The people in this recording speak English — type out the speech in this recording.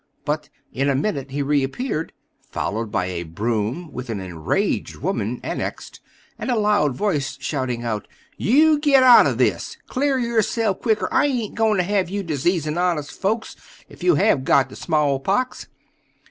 But in a minute he reappeared, followed by a broom with an enraged woman annexed, and a loud voice shouting out, "You git out of this! Clear yourself, quicker! I ain't goin' to have you diseasin' honest folks, ef you have got the smallpox."